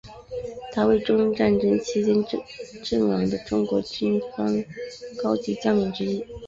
他为中日战争期间阵亡的中国军方高级将领之一。